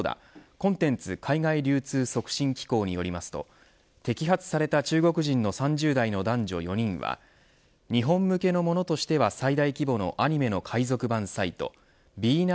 コンテンツ海外流通促進機構によりますと摘発された中国人の３０代の男女４人は日本向けのものとしては最大規模のアニメの海賊版サイトＢ９